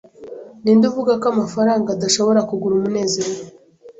Ninde uvuga ko amafaranga adashobora kugura umunezero?